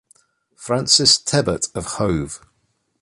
Francis Tebbutt of Hove.